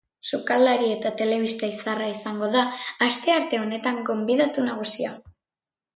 Sukaldari eta telebista izarra izango da astearte honetan gonbidatu nagusia.